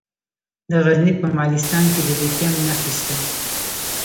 د غزني په مالستان کې د لیتیم نښې شته.